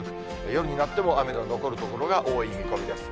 夜になっても雨の残る所が多い見込みです。